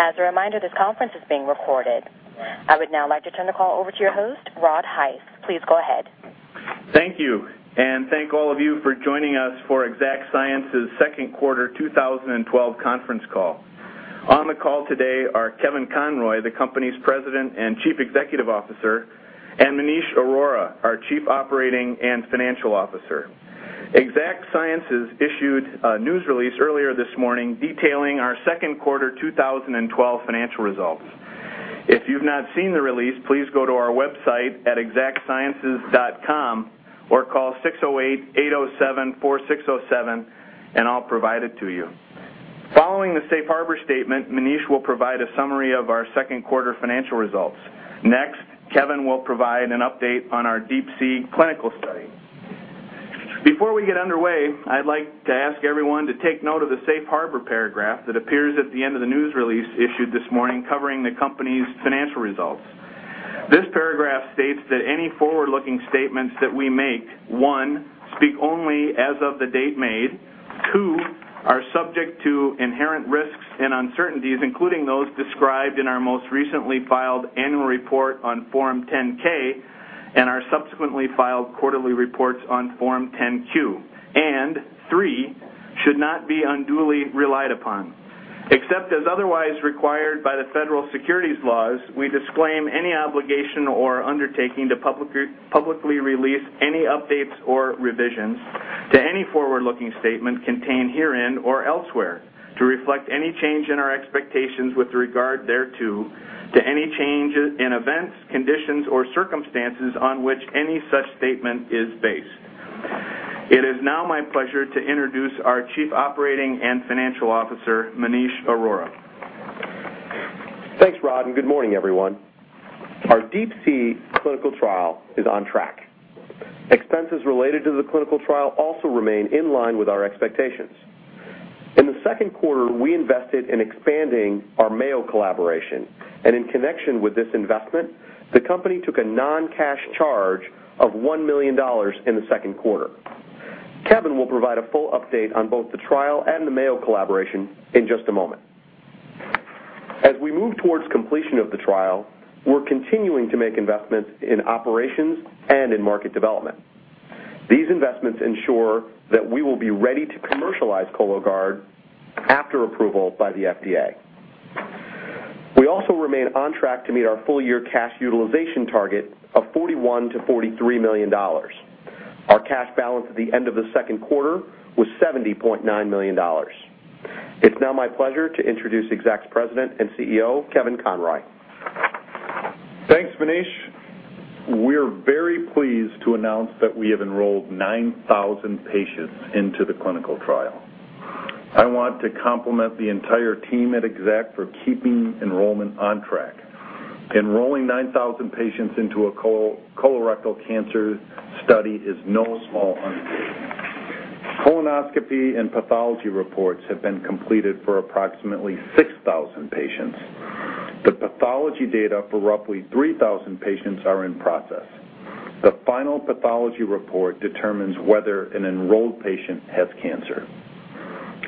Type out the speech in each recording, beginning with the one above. As a reminder, this conference is being recorded. I would now like to turn the call over to your host, Rod Hise. Please go ahead. Thank you, and thank all of you for joining us for Exact Sciences' second quarter 2012 conference call. On the call today are Kevin Conroy, the company's President and Chief Executive Officer, and Maneesh Arora, our Chief Operating and Financial Officer. Exact Sciences issued a news release earlier this morning detailing our second quarter 2012 financial results. If you've not seen the release, please go to our website at exactsciences.com or call 608-807-4607, and I'll provide it to you. Following the Safe Harbor statement, Maneesh will provide a summary of our second quarter financial results. Next, Kevin will provide an update on our DeepSea clinical study. Before we get underway, I'd like to ask everyone to take note of the Safe Harbor paragraph that appears at the end of the news release issued this morning covering the company's financial results. This paragraph states that any forward-looking statements that we make, one, speak only as of the date made, two, are subject to inherent risks and uncertainties, including those described in our most recently filed annual report on Form 10-K and our subsequently filed quarterly reports on Form 10-Q, and three, should not be unduly relied upon. Except as otherwise required by the federal securities laws, we disclaim any obligation or undertaking to publicly release any updates or revisions to any forward-looking statement contained herein or elsewhere to reflect any change in our expectations with regard thereto, to any change in events, conditions, or circumstances on which any such statement is based. It is now my pleasure to introduce our Chief Operating and Financial Officer, Maneesh Arora. Thanks, Rod, and good morning, everyone. Our DeeP-C clinical trial is on track. Expenses related to the clinical trial also remain in line with our expectations. In the second quarter, we invested in expanding our Mayo collaboration, and in connection with this investment, the company took a non-cash charge of $1 million in the second quarter. Kevin will provide a full update on both the trial and the Mayo collaboration in just a moment. As we move towards completion of the trial, we're continuing to make investments in operations and in market development. These investments ensure that we will be ready to commercialize Cologuard after approval by the FDA. We also remain on track to meet our full-year cash utilization target of $41 million-$43 million. Our cash balance at the end of the second quarter was $70.9 million. It's now my pleasure to introduce Exact's President and CEO, Kevin Conroy. Thanks, Manish. We're very pleased to announce that we have enrolled 9,000 patients into the clinical trial. I want to compliment the entire team at Exact for keeping enrollment on track. Enrolling 9,000 patients into a colorectal cancer study is no small undertaking. Colonoscopy and pathology reports have been completed for approximately 6,000 patients. The pathology data for roughly 3,000 patients are in process. The final pathology report determines whether an enrolled patient has cancer.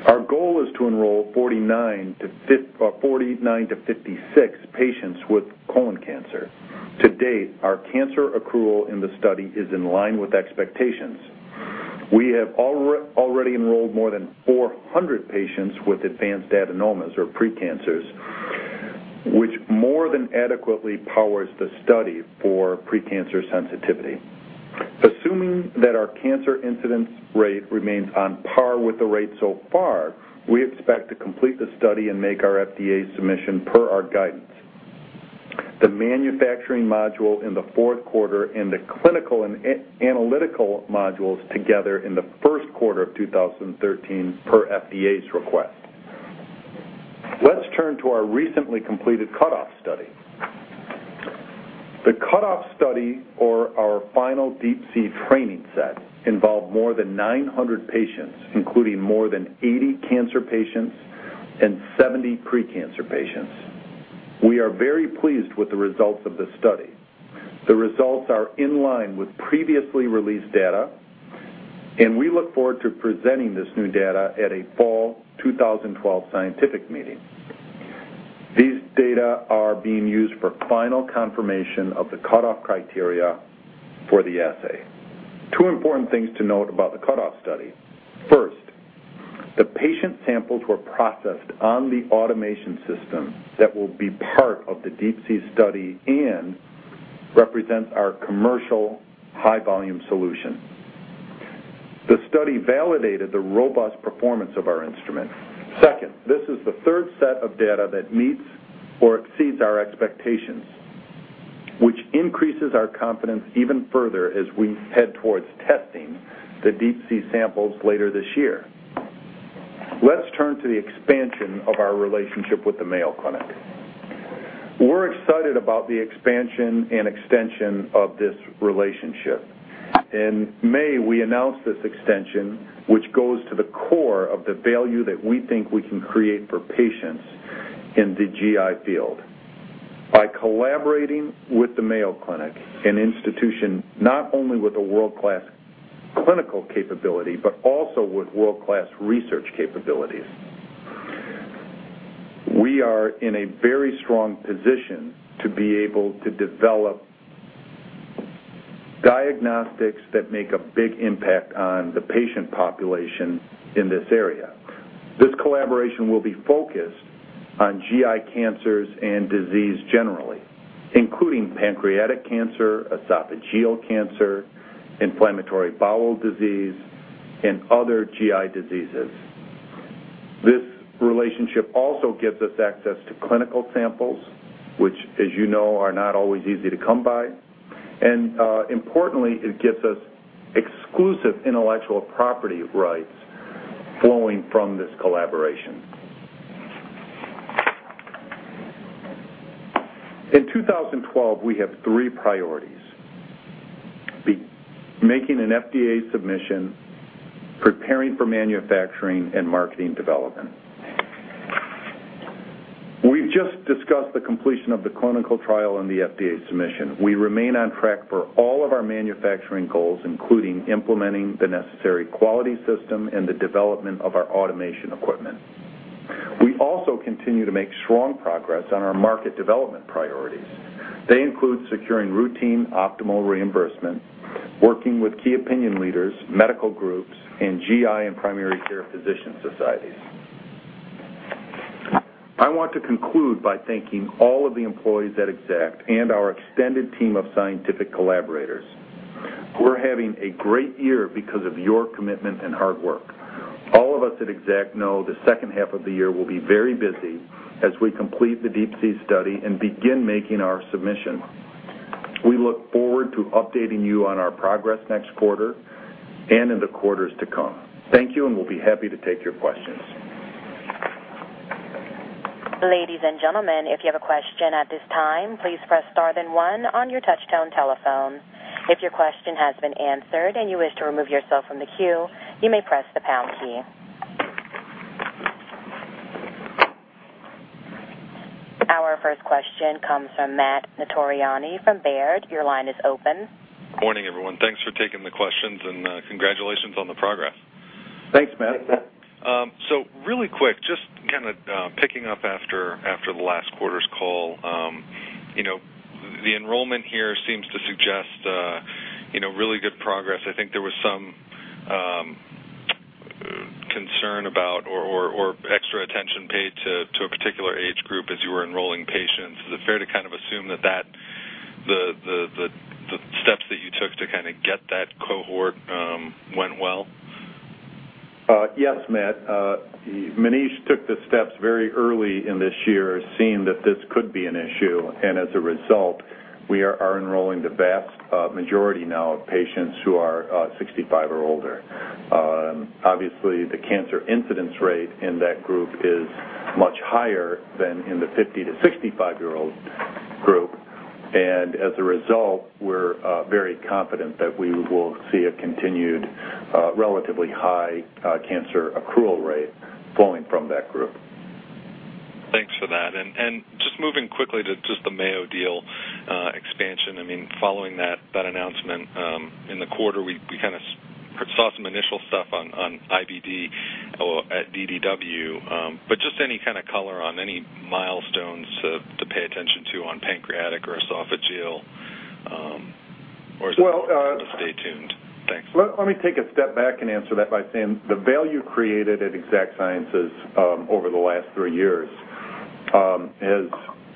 Our goal is to enroll 49-56 patients with colon cancer. To date, our cancer accrual in the study is in line with expectations. We have already enrolled more than 400 patients with advanced adenomas or precancers, which more than adequately powers the study for precancer sensitivity. Assuming that our cancer incidence rate remains on par with the rate so far, we expect to complete the study and make our FDA submission per our guidance. The manufacturing module in the fourth quarter and the clinical and analytical modules together in the first quarter of 2013 per FDA's request. Let's turn to our recently completed cutoff study. The cutoff study, or our final DeeP-C training set, involved more than 900 patients, including more than 80 cancer patients and 70 precancer patients. We are very pleased with the results of the study. The results are in line with previously released data, and we look forward to presenting this new data at a Fall 2012 scientific meeting. These data are being used for final confirmation of the cutoff criteria for the assay. Two important things to note about the cutoff study. First, the patient samples were processed on the automation system that will be part of the DeeP-C study and represents our commercial high-volume solution. The study validated the robust performance of our instrument. Second, this is the third set of data that meets or exceeds our expectations, which increases our confidence even further as we head towards testing the DeeP-C samples later this year. Let's turn to the expansion of our relationship with the Mayo Clinic. We're excited about the expansion and extension of this relationship. In May, we announced this extension, which goes to the core of the value that we think we can create for patients in the GI field. By collaborating with the Mayo Clinic, an institution not only with a world-class clinical capability but also with world-class research capabilities, we are in a very strong position to be able to develop diagnostics that make a big impact on the patient population in this area. This collaboration will be focused on GI cancers and disease generally, including pancreatic cancer, esophageal cancer, inflammatory bowel disease, and other GI diseases. This relationship also gives us access to clinical samples, which, as you know, are not always easy to come by. Importantly, it gives us exclusive intellectual property rights flowing from this collaboration. In 2012, we have three priorities: making an FDA submission, preparing for manufacturing, and marketing development. We've just discussed the completion of the clinical trial and the FDA submission. We remain on track for all of our manufacturing goals, including implementing the necessary quality system and the development of our automation equipment. We also continue to make strong progress on our market development priorities. They include securing routine optimal reimbursement, working with key opinion leaders, medical groups, and GI and primary care physician societies. I want to conclude by thanking all of the employees at Exact and our extended team of scientific collaborators. We're having a great year because of your commitment and hard work. All of us at Exact know the second half of the year will be very busy as we complete the DeeP-C study and begin making our submission. We look forward to updating you on our progress next quarter and in the quarters to come. Thank you, and we'll be happy to take your questions. Ladies and gentlemen, if you have a question at this time, please press star then one on your touch-tone telephone. If your question has been answered and you wish to remove yourself from the queue, you may press the pound key. Our first question comes from Matt Notarianni from Baird. Your line is open. Good morning, everyone. Thanks for taking the questions and congratulations on the progress. Thanks, Matt. Really quick, just kind of picking up after the last quarter's call, the enrollment here seems to suggest really good progress. I think there was some concern about or extra attention paid to a particular age group as you were enrolling patients. Is it fair to kind of assume that the steps that you took to kind of get that cohort went well? Yes, Matt. Manish took the steps very early in this year, seeing that this could be an issue. As a result, we are enrolling the vast majority now of patients who are 65 or older. Obviously, the cancer incidence rate in that group is much higher than in the 50-65-year-old group. As a result, we're very confident that we will see a continued relatively high cancer accrual rate flowing from that group. Thanks for that. Just moving quickly to just the Mayo deal expansion. I mean, following that announcement in the quarter, we kind of saw some initial stuff on IBD at DDW. Just any kind of color on any milestones to pay attention to on pancreatic or esophageal, or is it better to stay tuned? Let me take a step back and answer that by saying the value created at Exact Sciences over the last three years has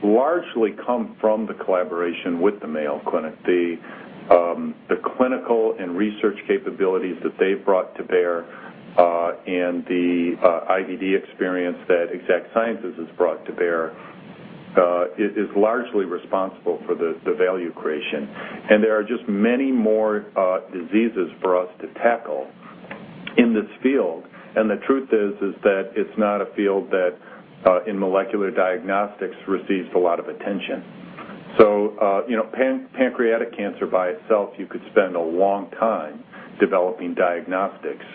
largely come from the collaboration with the Mayo Clinic. The clinical and research capabilities that they've brought to bear and the IBD experience that Exact Sciences has brought to bear is largely responsible for the value creation. There are just many more diseases for us to tackle in this field. The truth is that it's not a field that, in molecular diagnostics, receives a lot of attention. Pancreatic cancer by itself, you could spend a long time developing diagnostics,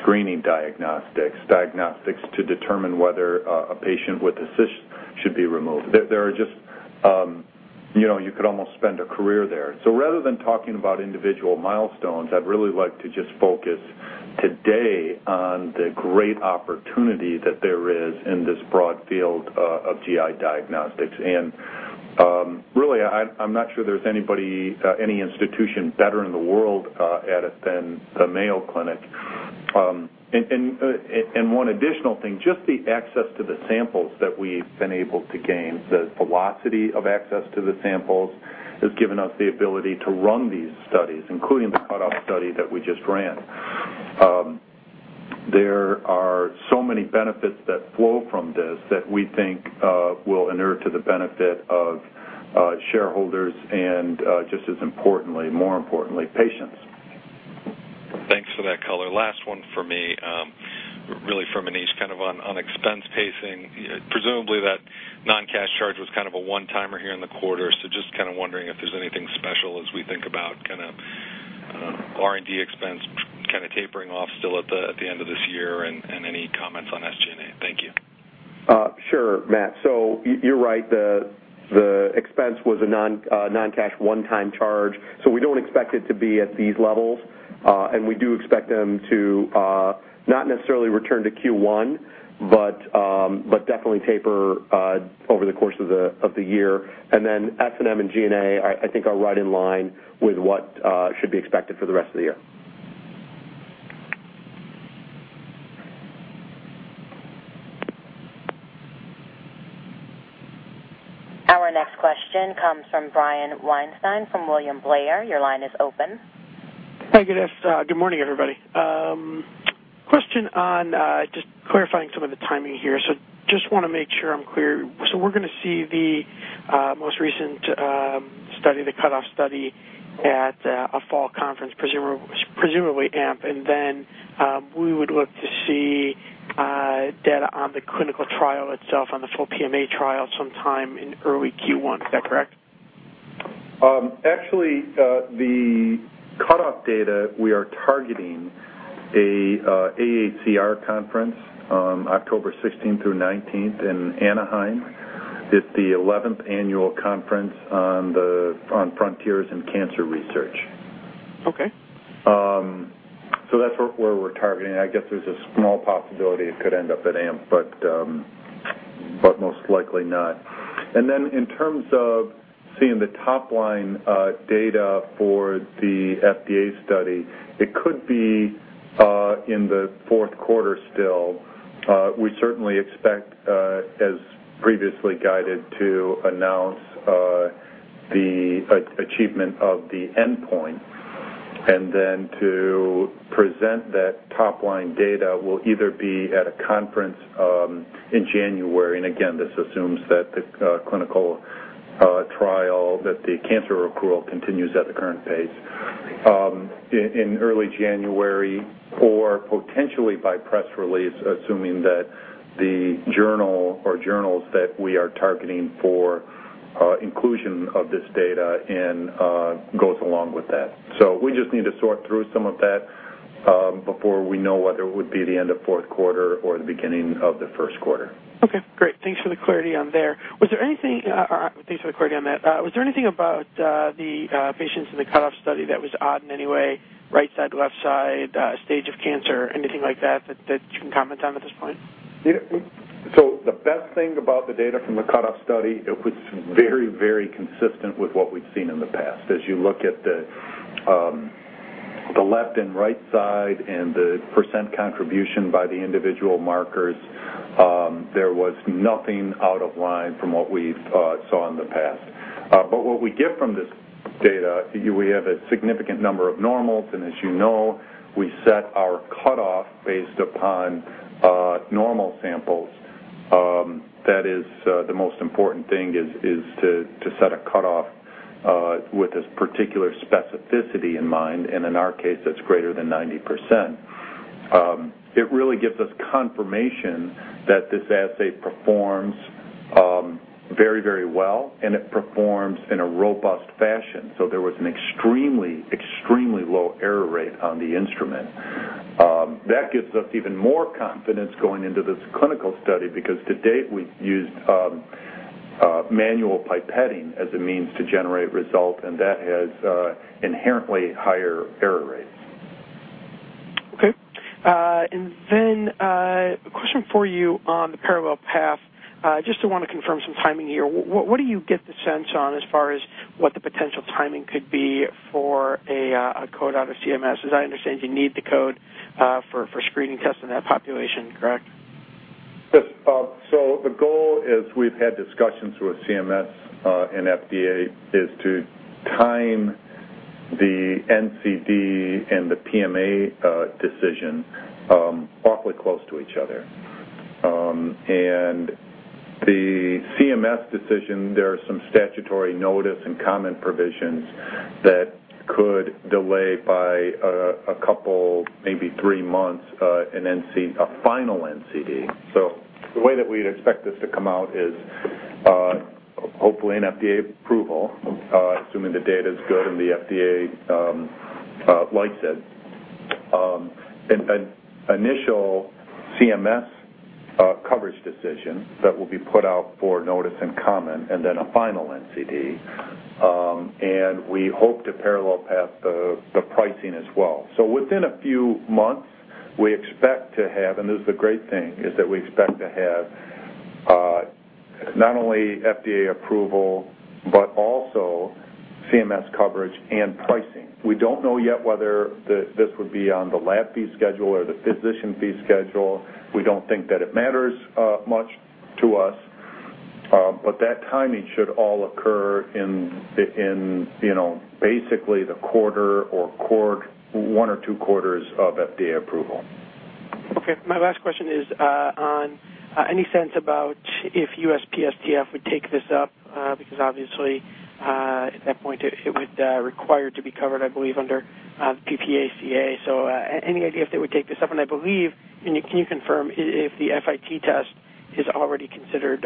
screening diagnostics, diagnostics to determine whether a patient with a cyst should be removed. You could almost spend a career there. Rather than talking about individual milestones, I'd really like to just focus today on the great opportunity that there is in this broad field of GI diagnostics. I'm not sure there's anybody, any institution better in the world at it than the Mayo Clinic. One additional thing, just the access to the samples that we've been able to gain, the velocity of access to the samples has given us the ability to run these studies, including the cutoff study that we just ran. There are so many benefits that flow from this that we think will inherit to the benefit of shareholders and, just as importantly, more importantly, patients. Thanks for that, Kevin. Last one for me, really for Maneesh, kind of on expense pacing. Presumably, that non-cash charge was kind of a one-timer here in the quarter. Just kind of wondering if there's anything special as we think about kind of R&D expense kind of tapering off still at the end of this year and any comments on SG&A. Thank you. Sure, Matt. So you're right. The expense was a non-cash one-time charge. So we don't expect it to be at these levels. We do expect them to not necessarily return to Q1, but definitely taper over the course of the year. F&M and G&A, I think, are right in line with what should be expected for the rest of the year. Our next question comes from Brian Weinstein from William Blair. Your line is open. Hi, good morning, everybody. Question on just clarifying some of the timing here. Just want to make sure I'm clear. We're going to see the most recent study, the cutoff study, at a fall conference, presumably AMP, and then we would look to see data on the clinical trial itself on the full PMA trial sometime in early Q1. Is that correct? Actually, the cutoff data we are targeting is the AHCR conference, October 16th through 19th in Anaheim. It is the 11th annual conference on frontiers in cancer research. That is where we are targeting. I guess there is a small possibility it could end up at AMP, but most likely not. In terms of seeing the top-line data for the FDA study, it could be in the fourth quarter still. We certainly expect, as previously guided, to announce the achievement of the endpoint and then to present that top-line data. We will either be at a conference in January, and again, this assumes that the clinical trial, that the cancer accrual continues at the current pace, in early January, or potentially by press release, assuming that the journal or journals that we are targeting for inclusion of this data goes along with that. We just need to sort through some of that before we know whether it would be the end of fourth quarter or the beginning of the first quarter. Okay. Great. Thanks for the clarity on that. Was there anything about the patients in the cutoff study that was odd in any way, right side, left side, stage of cancer, anything like that that you can comment on at this point? The best thing about the data from the cutoff study, it was very, very consistent with what we've seen in the past. As you look at the left and right side and the percent contribution by the individual markers, there was nothing out of line from what we saw in the past. What we get from this data, we have a significant number of normals. As you know, we set our cutoff based upon normal samples. That is the most important thing, is to set a cutoff with this particular specificity in mind. In our case, that's greater than 90%. It really gives us confirmation that this assay performs very, very well, and it performs in a robust fashion. There was an extremely, extremely low error rate on the instrument. That gives us even more confidence going into this clinical study because to date, we've used manual pipetting as a means to generate results, and that has inherently higher error rates. Okay. A question for you on the parallel path. Just want to confirm some timing here. What do you get the sense on as far as what the potential timing could be for a code out of CMS? As I understand, you need the code for screening tests in that population, correct? The goal is we've had discussions with CMS and FDA to time the NCD and the PMA decision awfully close to each other. The CMS decision, there are some statutory notice and comment provisions that could delay by a couple, maybe three months, a final NCD. The way that we'd expect this to come out is hopefully an FDA approval, assuming the data is good and the FDA likes it, an initial CMS coverage decision that will be put out for notice and comment, and then a final NCD. We hope to parallel path the pricing as well. Within a few months, we expect to have—and this is the great thing—is that we expect to have not only FDA approval, but also CMS coverage and pricing. We don't know yet whether this would be on the lab fee schedule or the physician fee schedule. We do not think that it matters much to us. That timing should all occur in basically the quarter or one or two quarters of FDA approval. Okay. My last question is on any sense about if USPSTF would take this up because obviously, at that point, it would require it to be covered, I believe, under PPACA. Any idea if they would take this up? I believe, can you confirm if the FIT test is already considered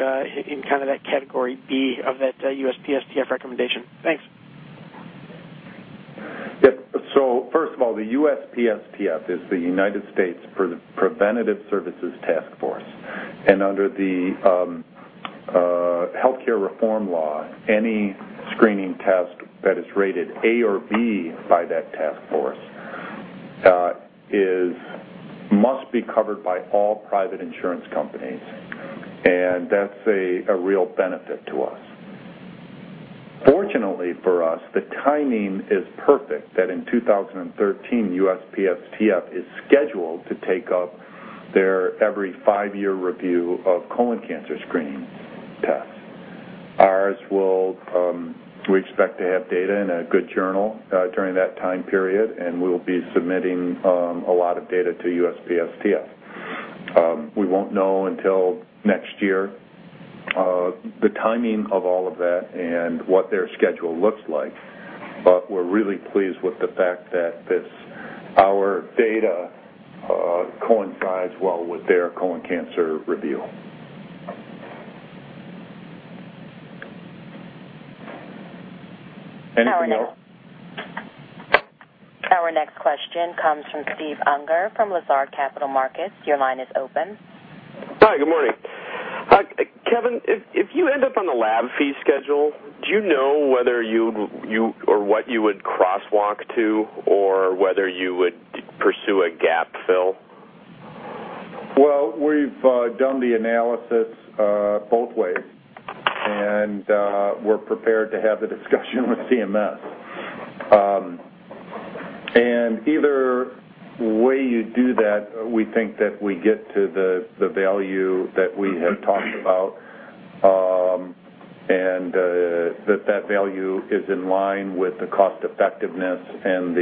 in kind of that category B of that USPSTF recommendation? Thanks. Yep. First of all, the USPSTF is the United States Preventive Services Task Force. Under the healthcare reform law, any screening test that is rated A or B by that task force must be covered by all private insurance companies. That is a real benefit to us. Fortunately for us, the timing is perfect that in 2013, USPSTF is scheduled to take up their every five-year review of colon cancer screening tests. Ours, we expect to have data in a good journal during that time period, and we will be submitting a lot of data to USPSTF. We will not know until next year the timing of all of that and what their schedule looks like. We are really pleased with the fact that our data coincides well with their colon cancer review. Anything else? Our next question comes from Steve Unger from Lazard Capital Markets. Your line is open. Hi, good morning. Kevin, if you end up on the lab fee schedule, do you know whether you or what you would crosswalk to or whether you would pursue a gap fill? We've done the analysis both ways, and we're prepared to have the discussion with CMS. Either way you do that, we think that we get to the value that we had talked about and that that value is in line with the cost-effectiveness and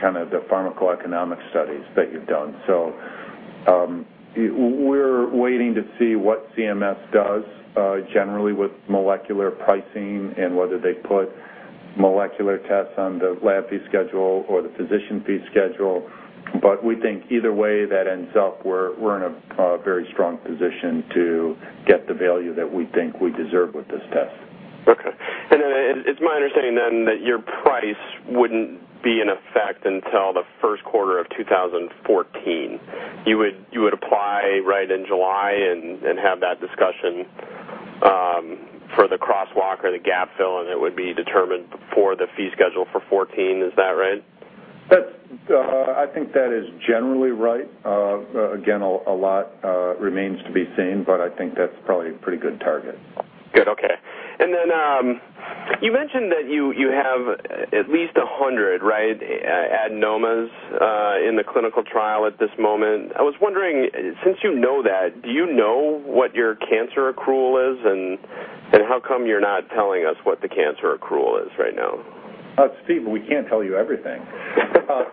kind of the pharmacoeconomic studies that you've done. We're waiting to see what CMS does generally with molecular pricing and whether they put molecular tests on the lab fee schedule or the physician fee schedule. We think either way that ends up, we're in a very strong position to get the value that we think we deserve with this test. Okay. It's my understanding then that your price wouldn't be in effect until the first quarter of 2014. You would apply right in July and have that discussion for the crosswalk or the gap fill, and it would be determined for the fee schedule for 2014. Is that right? I think that is generally right. Again, a lot remains to be seen, but I think that's probably a pretty good target. Good. Okay. You mentioned that you have at least 100, right, adenomas in the clinical trial at this moment. I was wondering, since you know that, do you know what your cancer accrual is? How come you're not telling us what the cancer accrual is right now? Steve, we can't tell you everything.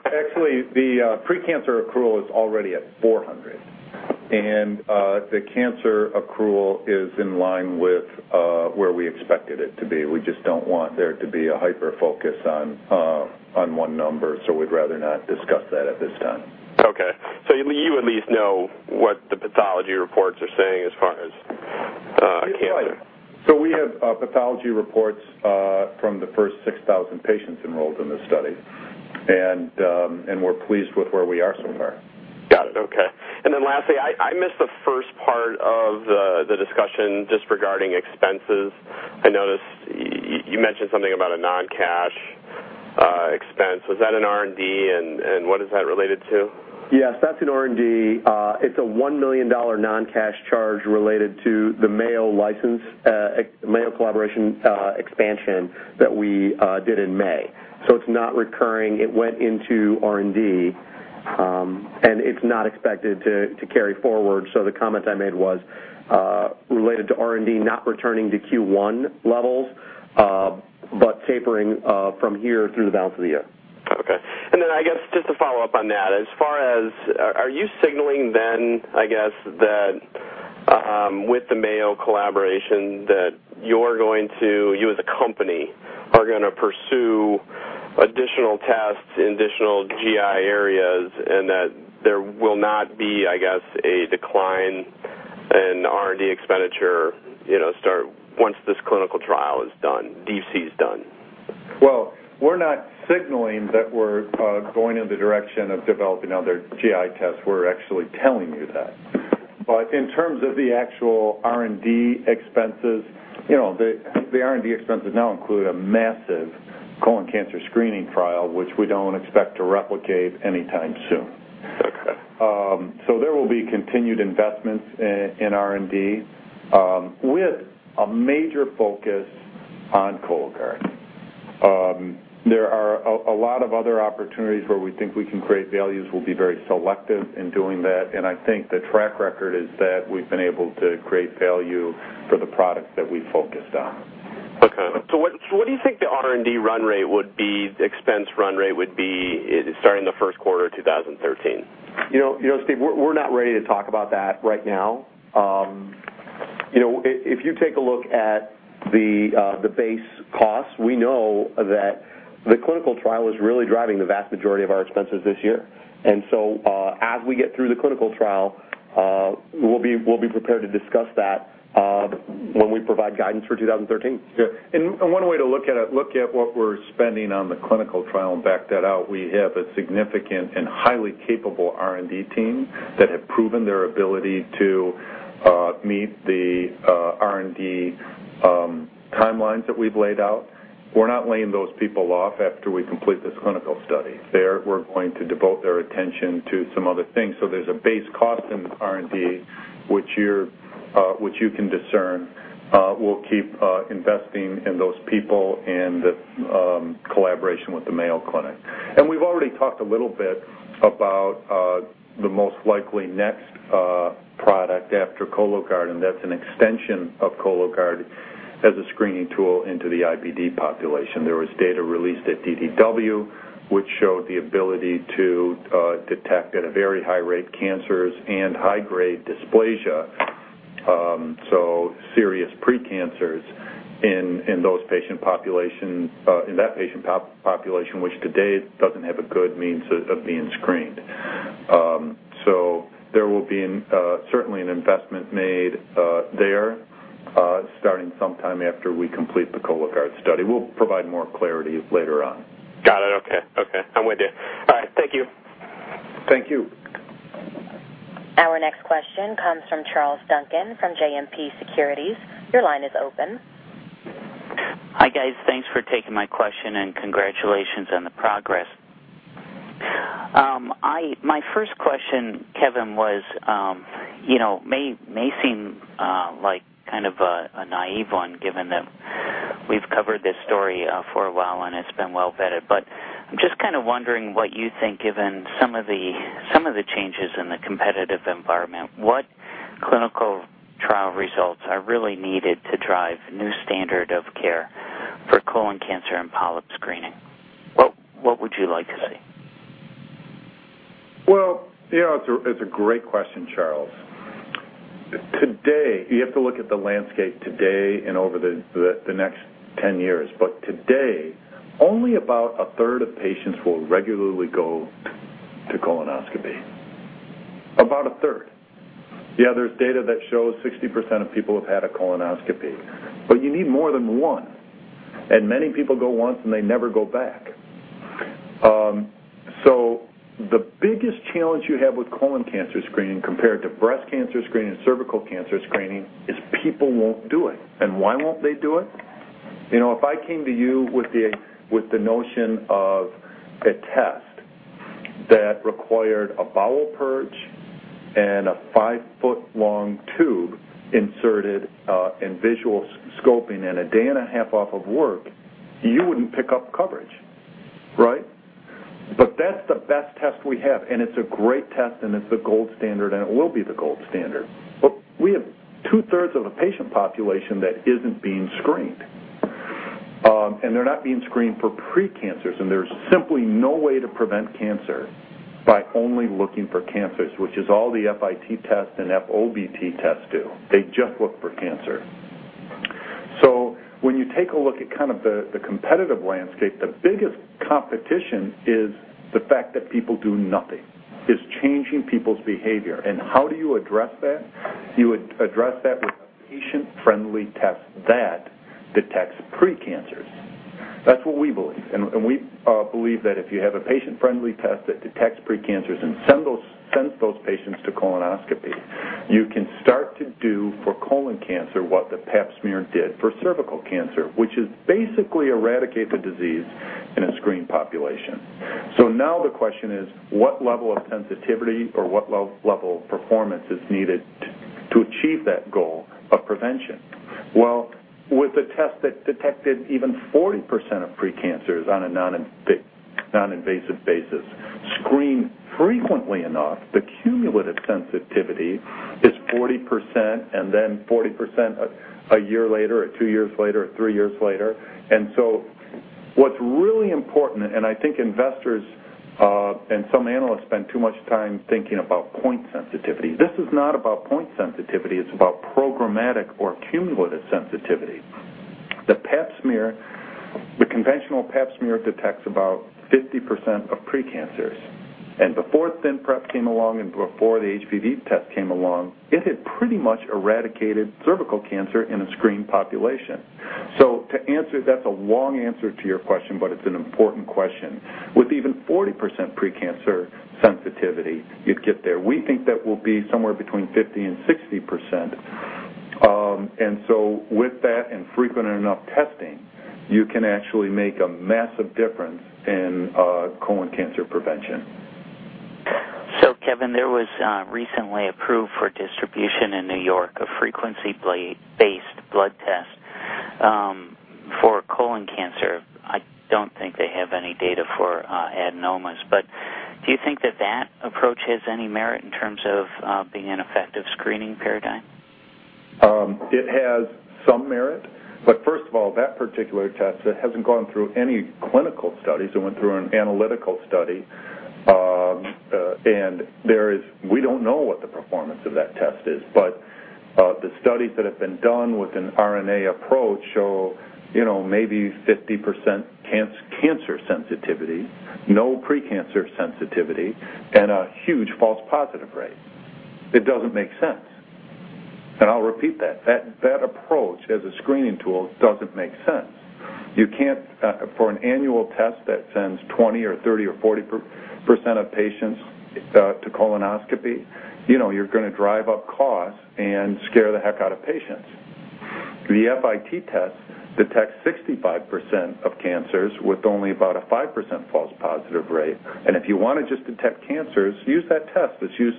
Actually, the precancer accrual is already at 400. And the cancer accrual is in line with where we expected it to be. We just don't want there to be a hyperfocus on one number. So we'd rather not discuss that at this time. Okay. So you at least know what the pathology reports are saying as far as cancer. We have pathology reports from the first 6,000 patients enrolled in this study. And we're pleased with where we are so far. Got it. Okay. Lastly, I missed the first part of the discussion just regarding expenses. I noticed you mentioned something about a non-cash expense. Was that an R&D, and what is that related to? Yes, that's an R&D. It's a $1 million non-cash charge related to the Mayo collaboration expansion that we did in May. It's not recurring. It went into R&D, and it's not expected to carry forward. The comment I made was related to R&D not returning to Q1 levels, but tapering from here through the balance of the year. Okay. I guess just to follow up on that, as far as are you signaling then, I guess, that with the Mayo collaboration, that you as a company are going to pursue additional tests in additional GI areas and that there will not be, I guess, a decline in R&D expenditure once this clinical trial is done, DC is done? We're not signaling that we're going in the direction of developing other GI tests. We're actually telling you that. In terms of the actual R&D expenses, the R&D expenses now include a massive colon cancer screening trial, which we don't expect to replicate anytime soon. There will be continued investments in R&D with a major focus on Cologuard. There are a lot of other opportunities where we think we can create values. We'll be very selective in doing that. I think the track record is that we've been able to create value for the products that we focused on. Okay. So what do you think the R&D run rate would be, the expense run rate would be starting the first quarter of 2013? You know, Steve, we're not ready to talk about that right now. If you take a look at the base costs, we know that the clinical trial is really driving the vast majority of our expenses this year. As we get through the clinical trial, we'll be prepared to discuss that when we provide guidance for 2013. Yeah. One way to look at it, look at what we're spending on the clinical trial and back that out. We have a significant and highly capable R&D team that have proven their ability to meet the R&D timelines that we've laid out. We're not laying those people off after we complete this clinical study. We're going to devote their attention to some other things. There is a base cost in R&D, which you can discern. We'll keep investing in those people and the collaboration with the Mayo Clinic. We have already talked a little bit about the most likely next product after Cologuard, and that is an extension of Cologuard as a screening tool into the IBD population. There was data released at DDW, which showed the ability to detect at a very high rate cancers and high-grade dysplasia, so serious precancers in those patient populations, in that patient population, which today does not have a good means of being screened. There will certainly be an investment made there starting sometime after we complete the Cologuard study. We will provide more clarity later on. Got it. Okay. I'm with you. All right. Thank you. Thank you. Our next question comes from Charles Duncan from JMP Securities. Your line is open. Hi guys. Thanks for taking my question and congratulations on the progress. My first question, Kevin, may seem like kind of a naive one given that we've covered this story for a while and it's been well vetted. But I'm just kind of wondering what you think given some of the changes in the competitive environment, what clinical trial results are really needed to drive new standard of care for colon cancer and polyp screening? What would you like to see? It's a great question, Charles. You have to look at the landscape today and over the next 10 years. Today, only about a third of patients will regularly go to colonoscopy. About a third. Yeah, there's data that shows 60% of people have had a colonoscopy. You need more than one. Many people go once and they never go back. The biggest challenge you have with colon cancer screening compared to breast cancer screening and cervical cancer screening is people will not do it. Why will they not do it? If I came to you with the notion of a test that required a bowel purge and a five-foot-long tube inserted and visual scoping and a day and a half off of work, you would not pick up coverage. Right? That is the best test we have. It is a great test and it is the gold standard and it will be the gold standard. We have two-thirds of the patient population that is not being screened. They are not being screened for precancers. There is simply no way to prevent cancer by only looking for cancers, which is all the FIT tests and FOBT tests do. They just look for cancer. When you take a look at kind of the competitive landscape, the biggest competition is the fact that people do nothing. It is changing people's behavior. How do you address that? You would address that with a patient-friendly test that detects precancers. That is what we believe. We believe that if you have a patient-friendly test that detects precancers and sends those patients to colonoscopy, you can start to do for colon cancer what the pap smear did for cervical cancer, which is basically eradicate the disease in a screened population. Now the question is, what level of sensitivity or what level of performance is needed to achieve that goal of prevention? With a test that detected even 40% of precancers on a non-invasive basis, screened frequently enough, the cumulative sensitivity is 40% and then 40% a year later or two years later or three years later. What is really important, and I think investors and some analysts spend too much time thinking about point sensitivity. This is not about point sensitivity. It is about programmatic or cumulative sensitivity. The conventional pap smear detects about 50% of precancers. Before thin prep came along and before the HPV test came along, it had pretty much eradicated cervical cancer in a screened population. To answer, that is a long answer to your question, but it is an important question. With even 40% precancer sensitivity, you would get there. We think that will be somewhere between 50-60%. With that and frequent enough testing, you can actually make a massive difference in colon cancer prevention. Kevin, there was recently approved for distribution in New York a frequency-based blood test for colon cancer. I do not think they have any data for adenomas. Do you think that that approach has any merit in terms of being an effective screening paradigm? It has some merit. First of all, that particular test has not gone through any clinical studies. It went through an analytical study. We do not know what the performance of that test is. The studies that have been done with an RNA approach show maybe 50% cancer sensitivity, no precancer sensitivity, and a huge false positive rate. It does not make sense. I will repeat that. That approach as a screening tool does not make sense. For an annual test that sends 20-30-40% of patients to colonoscopy, you are going to drive up costs and scare the heck out of patients. The FIT test detects 65% of cancers with only about a 5% false positive rate. If you want to just detect cancers, use that test. It is used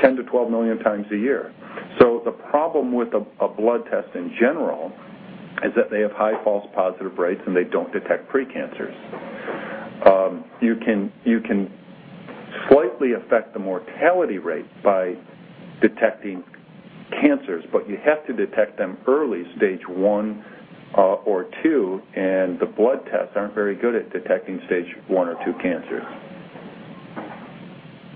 10-12 million times a year. The problem with a blood test in general is that they have high false positive rates and they do not detect precancers. You can slightly affect the mortality rate by detecting cancers, but you have to detect them early, stage one or two. The blood tests are not very good at detecting stage one or two cancers.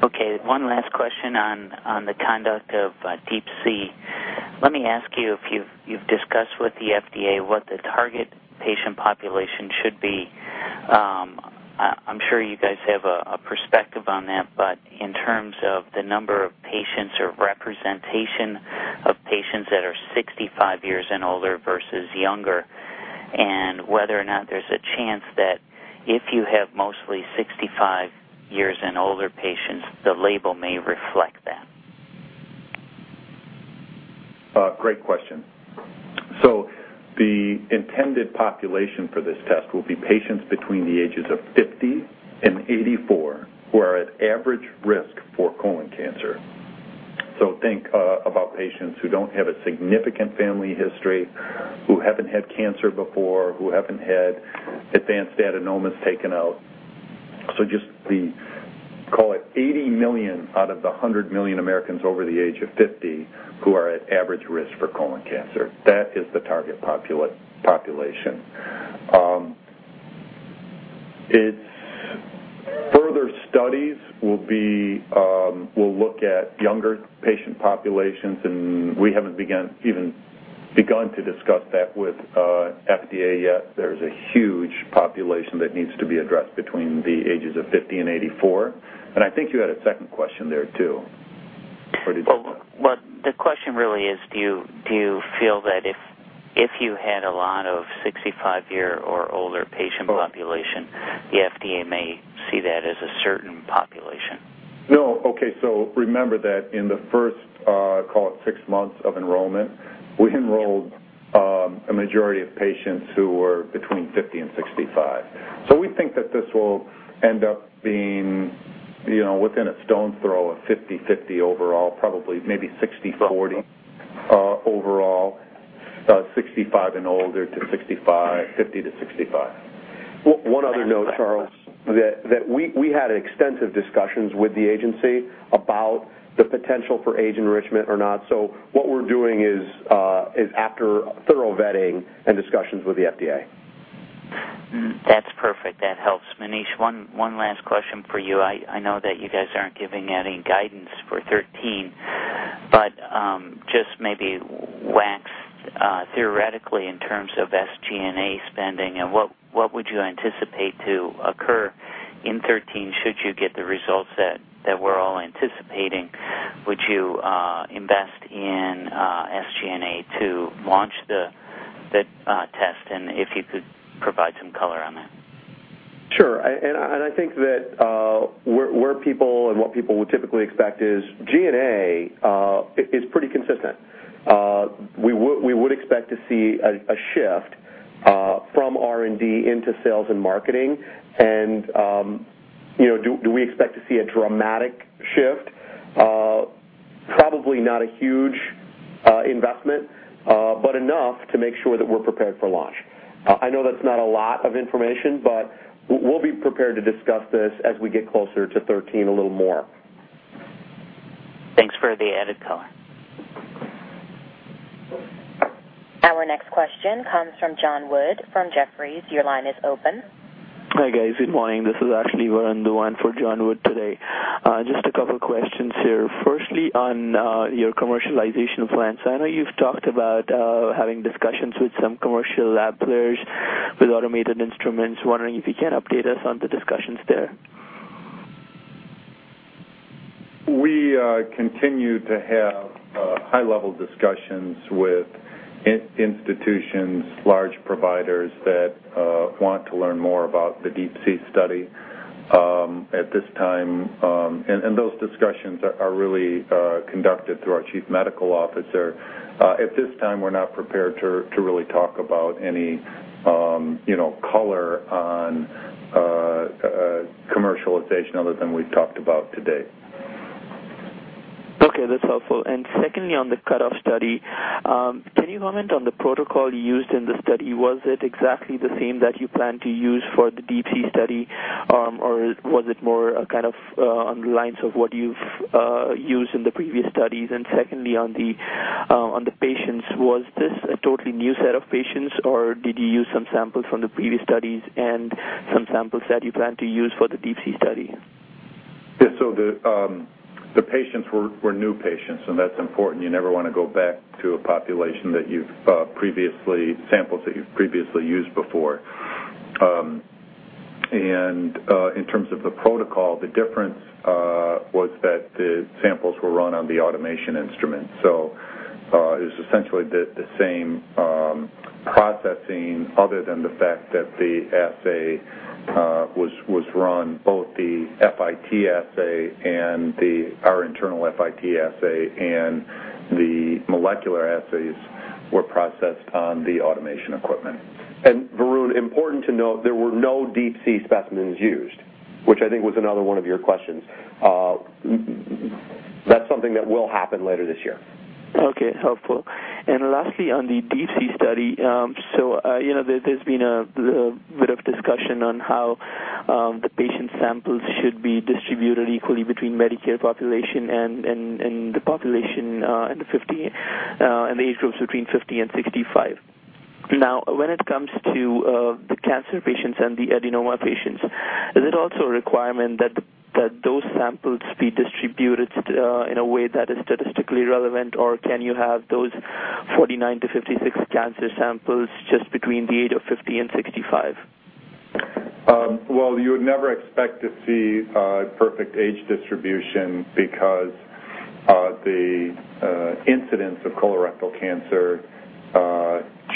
Okay. One last question on the conduct of DeeP-C. Let me ask you if you've discussed with the FDA what the target patient population should be. I'm sure you guys have a perspective on that. In terms of the number of patients or representation of patients that are 65 years and older versus younger and whether or not there's a chance that if you have mostly 65 years and older patients, the label may reflect that. Great question. The intended population for this test will be patients between the ages of 50 and 84 who are at average risk for colon cancer. Think about patients who do not have a significant family history, who have not had cancer before, who have not had advanced adenomas taken out. Just the, call it 80 million out of the 100 million Americans over the age of 50 who are at average risk for colon cancer. That is the target population. Further studies will look at younger patient populations. We have not even begun to discuss that with FDA yet. There is a huge population that needs to be addressed between the ages of 50 and 84. I think you had a second question there too. The question really is, do you feel that if you had a lot of 65-year or older patient population, the FDA may see that as a certain population? No. Okay. Remember that in the first, call it six months of enrollment, we enrolled a majority of patients who were between 50 and 65. We think that this will end up being within a stone's throw of 50/50 overall, probably maybe 60/40 overall, 65 and older to 50-65. One other note, Charles, we had extensive discussions with the agency about the potential for age enrichment or not. What we are doing is after thorough vetting and discussions with the FDA. That's perfect. That helps. Maneesh, one last question for you. I know that you guys aren't giving any guidance for 2013, but just maybe wax theoretically in terms of SG&A spending. What would you anticipate to occur in 2013 should you get the results that we're all anticipating? Would you invest in SG&A to launch the test? If you could provide some color on that. Sure. I think that where people and what people would typically expect is G&A is pretty consistent. We would expect to see a shift from R&D into sales and marketing. Do we expect to see a dramatic shift? Probably not a huge investment, but enough to make sure that we're prepared for launch. I know that's not a lot of information, but we'll be prepared to discuss this as we get closer to 2013 a little more. Thanks for the added color. Our next question comes from John Wood from Jefferies. Your line is open. Hi guys. Good morning. This is [Varun Diwan] for John Wood today. Just a couple of questions here. Firstly, on your commercialization plans, I know you've talked about having discussions with some commercial lab players with automated instruments. Wondering if you can update us on the discussions there. We continue to have high-level discussions with institutions, large providers that want to learn more about the DPC study at this time. Those discussions are really conducted through our Chief Medical Officer. At this time, we're not prepared to really talk about any color on commercialization other than we've talked about today. Okay. That's helpful. Secondly, on the cut-off study, can you comment on the protocol used in the study? Was it exactly the same that you plan to use for the DeeP-C study, or was it more kind of on the lines of what you've used in the previous studies? Secondly, on the patients, was this a totally new set of patients, or did you use some samples from the previous studies and some samples that you plan to use for the DeeP-C study? Yeah. The patients were new patients, and that's important. You never want to go back to a population that you've previously sampled, that you've previously used before. In terms of the protocol, the difference was that the samples were run on the automation instrument. It was essentially the same processing other than the fact that the assay was run. Both the FIT assay and our internal FIT assay and the molecular assays were processed on the automation equipment. Varun, important to note, there were no DeeP-C specimens used, which I think was another one of your questions. That's something that will happen later this year. Okay. Helpful. Lastly, on the DeeP-C study, there has been a bit of discussion on how the patient samples should be distributed equally between the Medicare population and the population and the age groups between 50 and 65. Now, when it comes to the cancer patients and the adenoma patients, is it also a requirement that those samples be distributed in a way that is statistically relevant, or can you have those 49-56 cancer samples just between the age of 50 and 65? You would never expect to see perfect age distribution because the incidence of colorectal cancer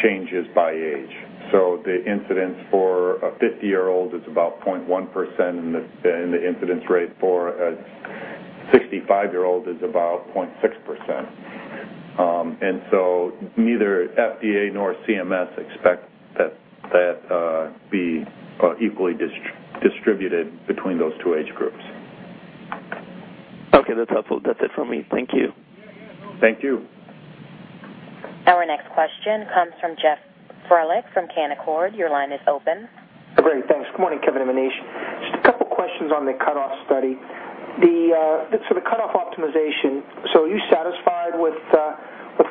changes by age. The incidence for a 50-year-old is about 0.1%, and the incidence rate for a 65-year-old is about 0.6%. Neither FDA nor CMS expect that to be equally distributed between those two age groups. Okay. That's helpful. That's it from me. Thank you. Thank you. Our next question comes from Jeff Frolik from Canaccord. Your line is open. Great. Thanks. Good morning, Kevin and Maneesh. Just a couple of questions on the cut-off study. So the cut-off optimization, so are you satisfied with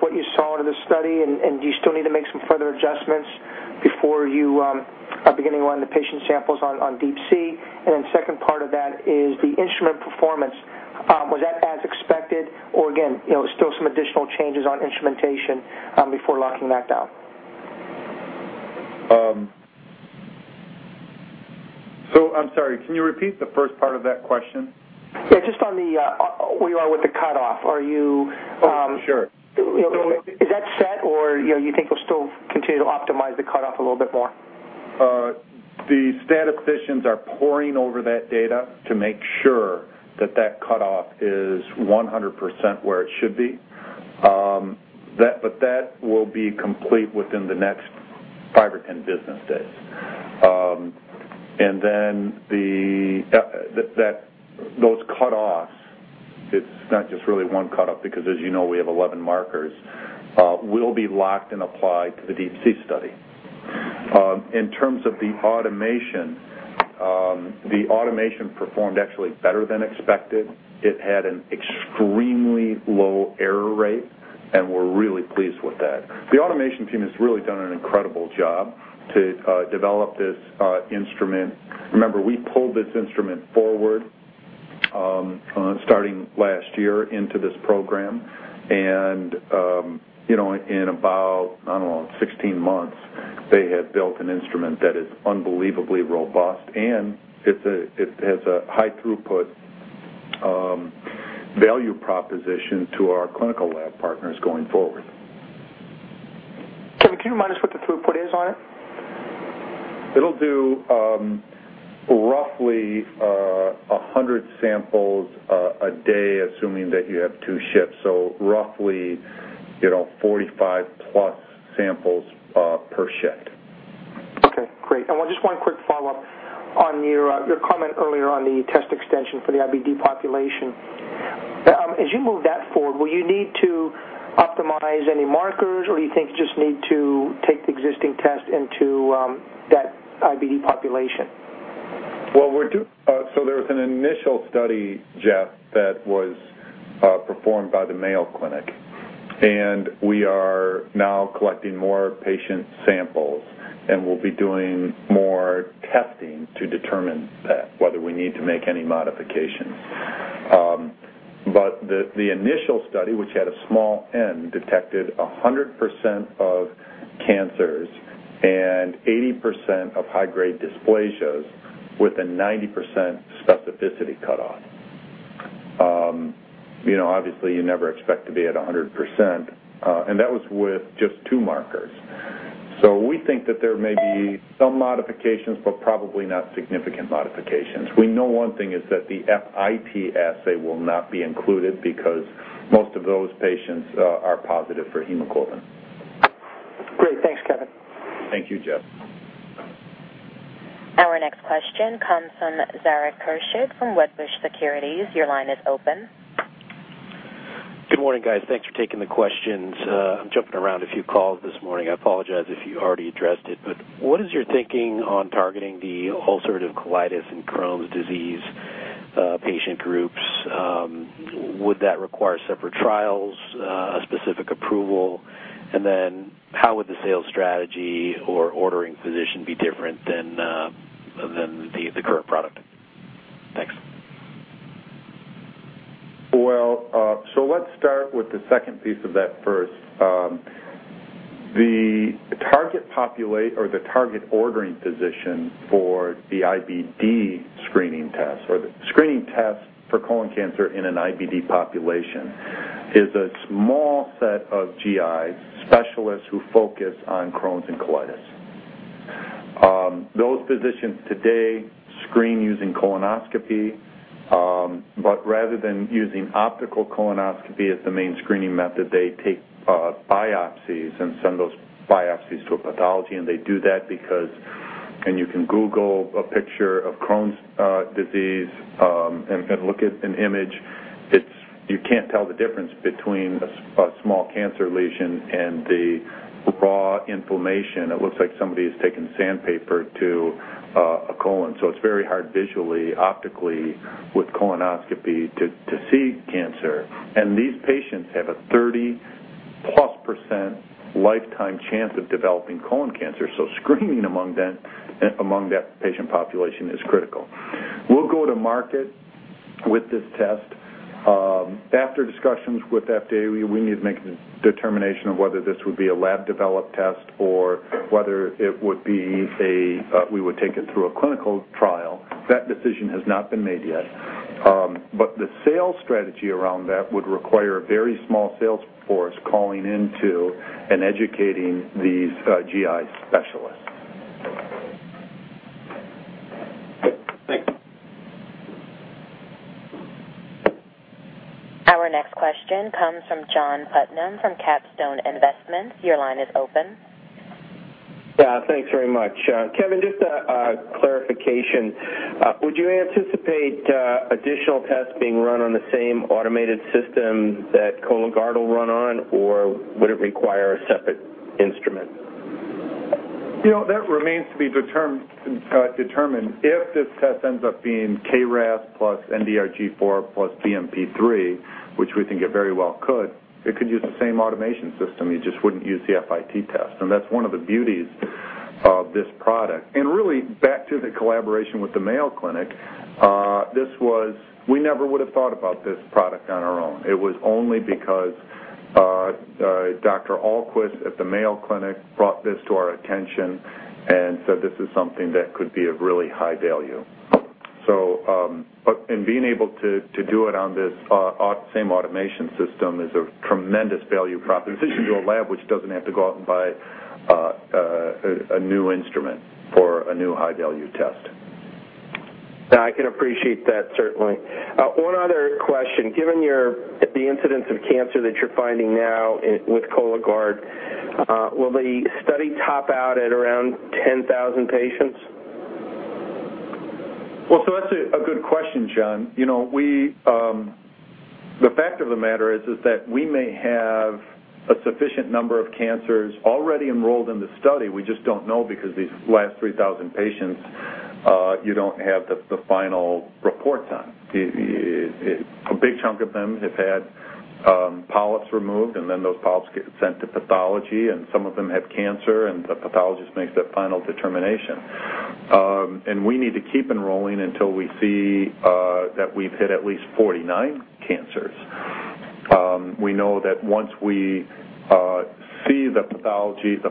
what you saw in this study, and do you still need to make some further adjustments before you are beginning on the patient samples on DeeP-C? The second part of that is the instrument performance. Was that as expected, or again, still some additional changes on instrumentation before locking that down? I'm sorry. Can you repeat the first part of that question? Yeah. Just on where you are with the cut-off. Oh, sure. Is that set, or you think you'll still continue to optimize the cut-off a little bit more? The statisticians are pouring over that data to make sure that that cut-off is 100% where it should be. That will be complete within the next 5 or 10 business days. Those cut-offs, it's not just really one cut-off because, as you know, we have 11 markers, will be locked and applied to the DeeP-C study. In terms of the automation, the automation performed actually better than expected. It had an extremely low error rate, and we're really pleased with that. The automation team has really done an incredible job to develop this instrument. Remember, we pulled this instrument forward starting last year into this program. In about, I don't know, 16 months, they have built an instrument that is unbelievably robust, and it has a high throughput value proposition to our clinical lab partners going forward. Kevin, can you remind us what the throughput is on it? It'll do roughly 100 samples a day, assuming that you have two shifts. So roughly 45+ samples per shift. Okay. Great. Just one quick follow-up on your comment earlier on the test extension for the IBD population. As you move that forward, will you need to optimize any markers, or do you think you just need to take the existing test into that IBD population? There was an initial study, Jeff, that was performed by the Mayo Clinic. We are now collecting more patient samples, and we'll be doing more testing to determine whether we need to make any modifications. The initial study, which had a small N, detected 100% of cancers and 80% of high-grade dysplasias with a 90% specificity cut-off. Obviously, you never expect to be at 100%. That was with just two markers. We think that there may be some modifications, but probably not significant modifications. We know one thing is that the FIT assay will not be included because most of those patients are positive for hemoglobin. Great. Thanks, Kevin. Thank you, Jeff. Our next question comes from Zarak Khurshid from Wedbush Securities. Your line is open. Good morning, guys. Thanks for taking the questions. I'm jumping around a few calls this morning. I apologize if you already addressed it. What is your thinking on targeting the ulcerative colitis and Crohn's disease patient groups? Would that require separate trials, a specific approval? How would the sales strategy or ordering position be different than the current product? Thanks. Let's start with the second piece of that first. The target ordering position for the IBD screening test or the screening test for colon cancer in an IBD population is a small set of GI specialists who focus on Crohn's and colitis. Those physicians today screen using colonoscopy, but rather than using optical colonoscopy as the main screening method, they take biopsies and send those biopsies to a pathology. They do that because when you can Google a picture of Crohn's disease and look at an image, you can't tell the difference between a small cancer lesion and the raw inflammation. It looks like somebody has taken sandpaper to a colon. It is very hard visually, optically, with colonoscopy to see cancer. These patients have a 30+% lifetime chance of developing colon cancer. Screening among that patient population is critical. We'll go to market with this test. After discussions with FDA, we need to make a determination of whether this would be a lab-developed test or whether we would take it through a clinical trial. That decision has not been made yet. The sales strategy around that would require a very small sales force calling into and educating these GI specialists. Thanks. Our next question comes from John Putnam from CapStone Investments. Your line is open. Yeah. Thanks very much. Kevin, just a clarification. Would you anticipate additional tests being run on the same automation system that Cologuard will run on, or would it require a separate instrument? That remains to be determined. If this test ends up being KRAS plus NDRG4 plus BMP3, which we think it very well could, it could use the same automation system. You just would not use the FIT test. That is one of the beauties of this product. Really, back to the collaboration with the Mayo Clinic, we never would have thought about this product on our own. It was only because Dr. Alquist at the Mayo Clinic brought this to our attention and said, "This is something that could be of really high value." Being able to do it on this same automation system is a tremendous value proposition to a lab, which does not have to go out and buy a new instrument for a new high-value test. Yeah. I can appreciate that, certainly. One other question. Given the incidence of cancer that you're finding now with Cologuard, will the study top out at around 10,000 patients? That is a good question, John. The fact of the matter is that we may have a sufficient number of cancers already enrolled in the study. We just do not know because these last 3,000 patients, you do not have the final reports on. A big chunk of them have had polyps removed, and then those polyps get sent to pathology, and some of them have cancer, and the pathologist makes that final determination. We need to keep enrolling until we see that we have hit at least 49 cancers. We know that once we see the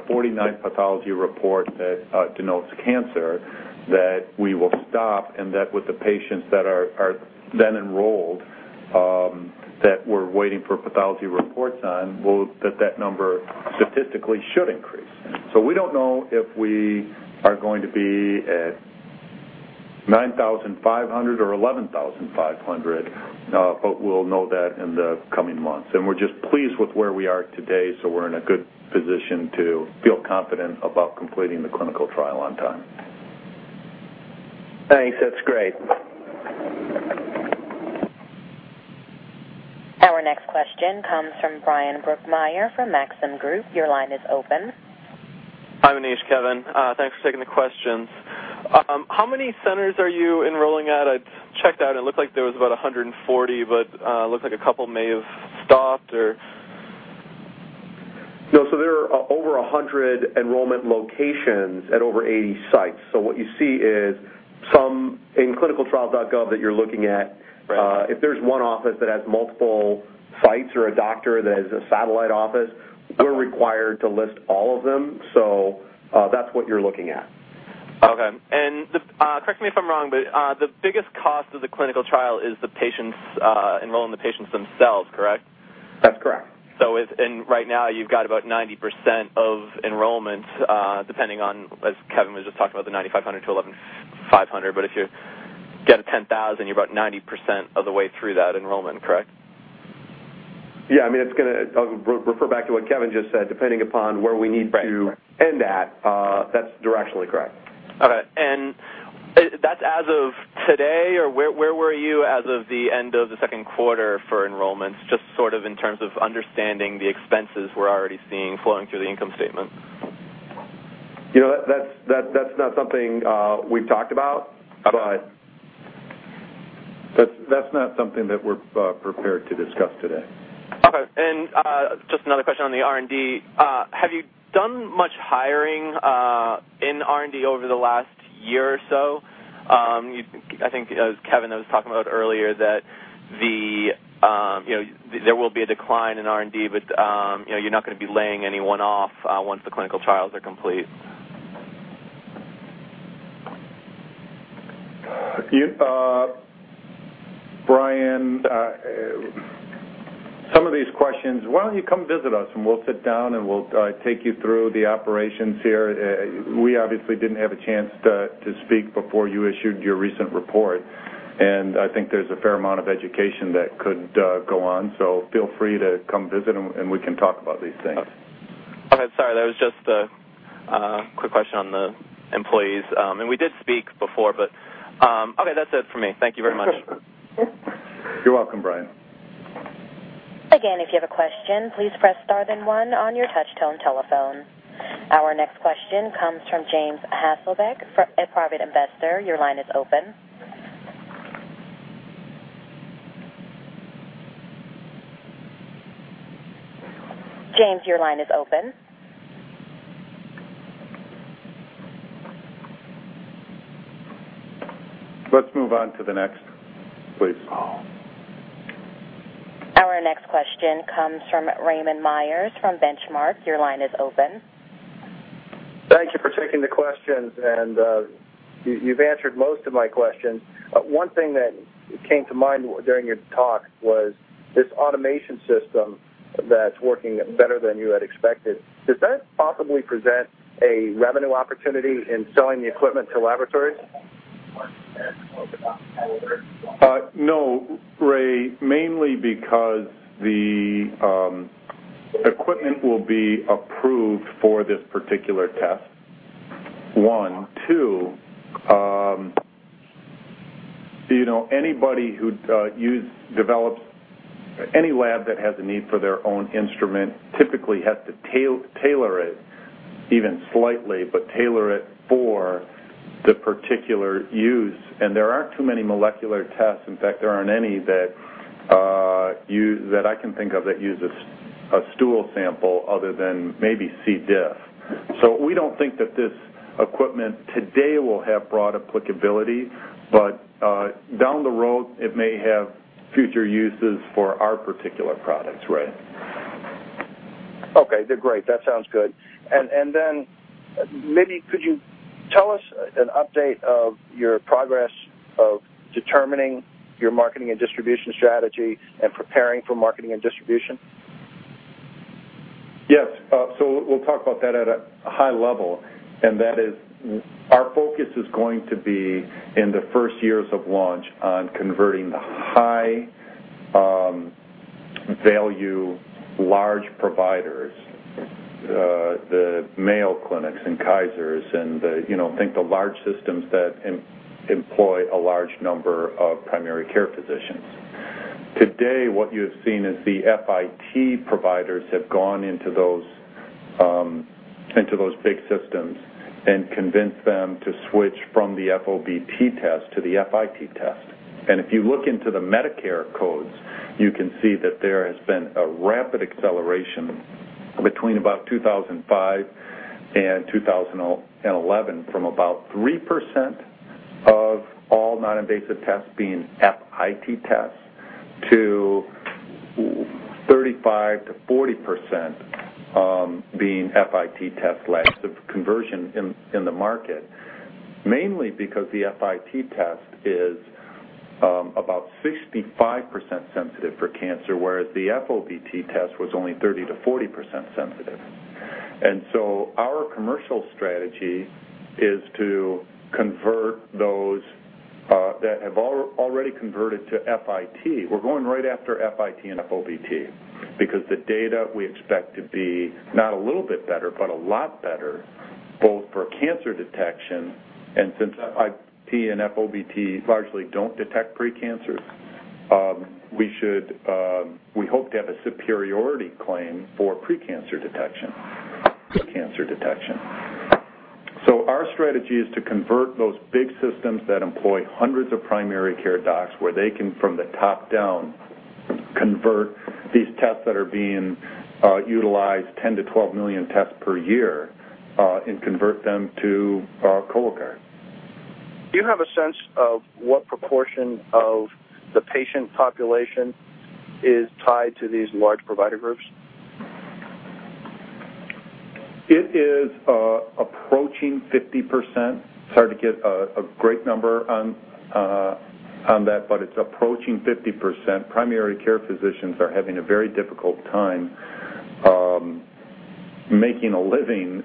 49 pathology report that denotes cancer, we will stop, and with the patients that are then enrolled that we are waiting for pathology reports on, that number statistically should increase. We do not know if we are going to be at 9,500 or 11,500, but we will know that in the coming months. We're just pleased with where we are today, so we're in a good position to feel confident about completing the clinical trial on time. Thanks. That's great. Our next question comes from Brian Brookmeyer from Maxim Group. Your line is open. Hi, Maneesh. Kevin, thanks for taking the questions. How many centers are you enrolling at? I checked out, and it looked like there was about 140, but it looks like a couple may have stopped or. No. There are over 100 enrollment locations at over 80 sites. What you see in clinicaltrial.gov that you're looking at, if there's one office that has multiple sites or a doctor that has a satellite office, we're required to list all of them. That's what you're looking at. Okay. Correct me if I'm wrong, but the biggest cost of the clinical trial is enrolling the patients themselves, correct? That's correct. Right now, you've got about 90% of enrollment depending on, as Kevin was just talking about, the 9,500-11,500. If you get a 10,000, you're about 90% of the way through that enrollment, correct? Yeah. I mean, I'll refer back to what Kevin just said. Depending upon where we need to end at, that's directionally correct. Okay. And that's as of today, or where were you as of the end of the second quarter for enrollments, just sort of in terms of understanding the expenses we're already seeing flowing through the income statement? That's not something we've talked about, but that's not something that we're prepared to discuss today. Okay. Just another question on the R&D. Have you done much hiring in R&D over the last year or so? I think, as Kevin was talking about earlier, that there will be a decline in R&D, but you're not going to be laying anyone off once the clinical trials are complete. Brian, some of these questions, why don't you come visit us, and we'll sit down, and we'll take you through the operations here. We obviously didn't have a chance to speak before you issued your recent report. I think there's a fair amount of education that could go on. Feel free to come visit, and we can talk about these things. Okay. Sorry. That was just a quick question on the employees. We did speak before, but okay. That's it for me. Thank you very much. You're welcome, Brian. Again, if you have a question, please press star then one on your TouchTone telephone. Our next question comes from James Hasselbeck at Private Investor. Your line is open. James, your line is open. Let's move on to the next, please. Our next question comes from Raymond Myers from Benchmark. Your line is open. Thank you for taking the questions. You've answered most of my questions. One thing that came to mind during your talk was this automation system that's working better than you had expected. Does that possibly present a revenue opportunity in selling the equipment to laboratories? No, Ray, mainly because the equipment will be approved for this particular test. One. Two, anybody who develops any lab that has a need for their own instrument typically has to tailor it, even slightly, but tailor it for the particular use. There aren't too many molecular tests. In fact, there aren't any that I can think of that use a stool sample other than maybe C. diff. We don't think that this equipment today will have broad applicability, but down the road, it may have future uses for our particular products, Ray. Okay. Great. That sounds good. Maybe could you tell us an update of your progress of determining your marketing and distribution strategy and preparing for marketing and distribution? Yes. We'll talk about that at a high level. Our focus is going to be in the first years of launch on converting the high-value, large providers, the Mayo Clinics and Kaisers, and I think the large systems that employ a large number of primary care physicians. Today, what you have seen is the FIT providers have gone into those big systems and convinced them to switch from the FOBT test to the FIT test. If you look into the Medicare codes, you can see that there has been a rapid acceleration between about 2005 and 2011 from about 3% of all non-invasive tests being FIT tests to 35-40% being FIT test labs of conversion in the market, mainly because the FIT test is about 65% sensitive for cancer, whereas the FOBT test was only 30-40% sensitive. Our commercial strategy is to convert those that have already converted to FIT. We're going right after FIT and FOBT because the data we expect to be not a little bit better, but a lot better, both for cancer detection. And since FIT and FOBT largely do not detect precancers, we hope to have a superiority claim for precancer detection. Our strategy is to convert those big systems that employ hundreds of primary care docs where they can, from the top down, convert these tests that are being utilized, 10-12 million tests per year, and convert them to Cologuard. Do you have a sense of what proportion of the patient population is tied to these large provider groups? It is approaching 50%. It's hard to get a great number on that, but it's approaching 50%. Primary care physicians are having a very difficult time making a living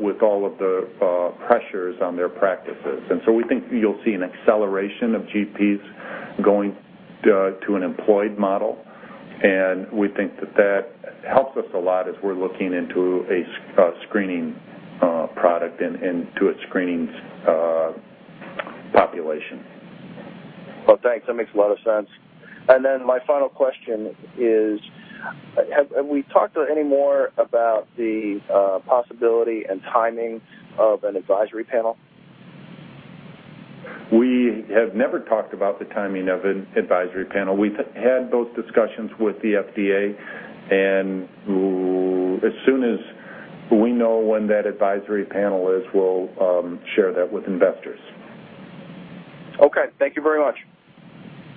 with all of the pressures on their practices. We think you'll see an acceleration of GPs going to an employed model. We think that that helps us a lot as we're looking into a screening product and to a screening population. Thanks. That makes a lot of sense. And then my final question is, have we talked any more about the possibility and timing of an advisory panel? We have never talked about the timing of an advisory panel. We've had both discussions with the FDA. As soon as we know when that advisory panel is, we'll share that with investors. Okay. Thank you very much.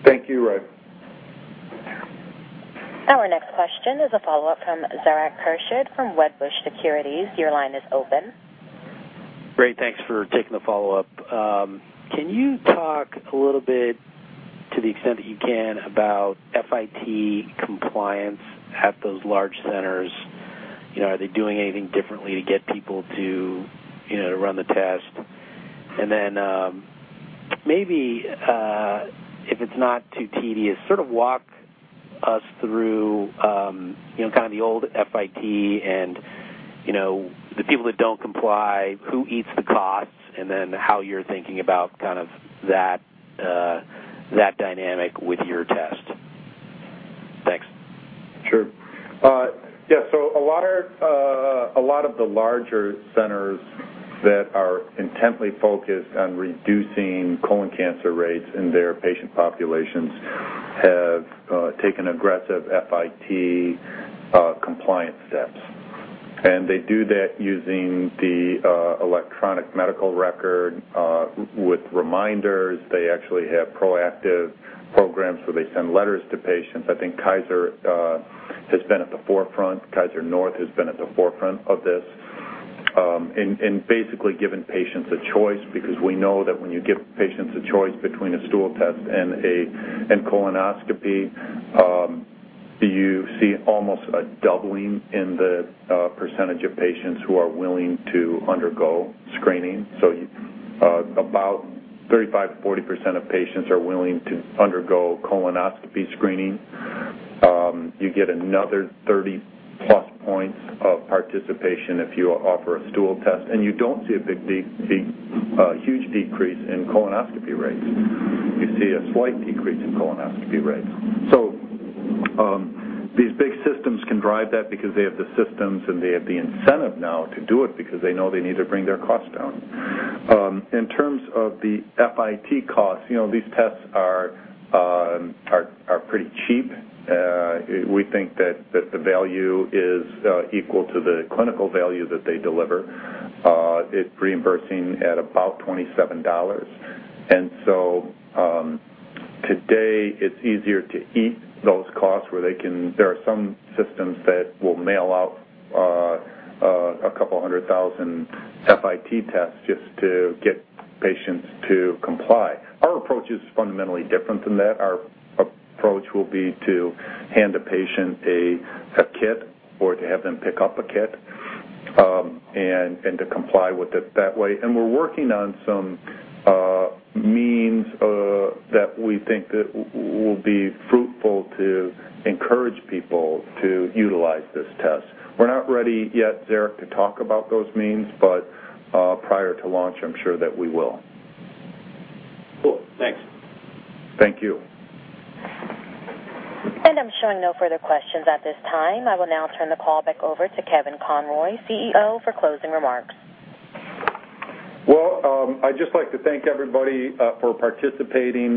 Thank you, Ray. Our next question is a follow-up from Zarak Khurshid from Wedbush Securities. Your line is open. Great. Thanks for taking the follow-up. Can you talk a little bit, to the extent that you can, about FIT compliance at those large centers? Are they doing anything differently to get people to run the test? If it's not too tedious, sort of walk us through kind of the old FIT and the people that do not comply, who eats the costs, and then how you're thinking about kind of that dynamic with your test. Thanks. Sure. Yeah. A lot of the larger centers that are intently focused on reducing colon cancer rates in their patient populations have taken aggressive FIT compliance steps. They do that using the electronic medical record with reminders. They actually have proactive programs where they send letters to patients. I think Kaiser has been at the forefront. Kaiser North has been at the forefront of this and basically given patients a choice because we know that when you give patients a choice between a stool test and colonoscopy, you see almost a doubling in the percentage of patients who are willing to undergo screening. About 35-40% of patients are willing to undergo colonoscopy screening. You get another 30+ points of participation if you offer a stool test. You do not see a huge decrease in colonoscopy rates. You see a slight decrease in colonoscopy rates. These big systems can drive that because they have the systems, and they have the incentive now to do it because they know they need to bring their costs down. In terms of the FIT costs, these tests are pretty cheap. We think that the value is equal to the clinical value that they deliver. It is reimbursing at about $27. Today, it is easier to eat those costs where they can. There are some systems that will mail out a couple hundred thousand FIT tests just to get patients to comply. Our approach is fundamentally different than that. Our approach will be to hand a patient a kit or to have them pick up a kit and to comply with it that way. We are working on some means that we think will be fruitful to encourage people to utilize this test. We're not ready yet, Zarak, to talk about those means, but prior to launch, I'm sure that we will. Cool. Thanks. Thank you. I am showing no further questions at this time. I will now turn the call back over to Kevin Conroy, CEO, for closing remarks. I’d just like to thank everybody for participating.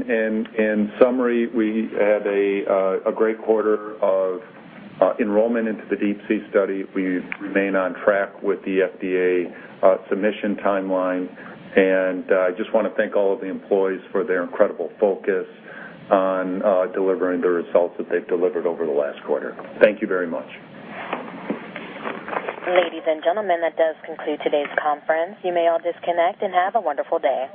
In summary, we had a great quarter of enrollment into the DeeP-C study. We remain on track with the FDA submission timeline. I just want to thank all of the employees for their incredible focus on delivering the results that they’ve delivered over the last quarter. Thank you very much. Ladies and gentlemen, that does conclude today's conference. You may all disconnect and have a wonderful day.